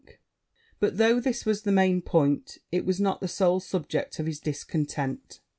But though this was the main point, it was not the sole subject of his discontent.